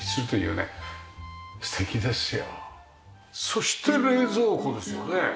そして冷蔵庫ですよね。